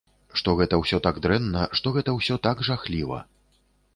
Што гэта ўсё так дрэнна, што гэта ўсё так жахліва.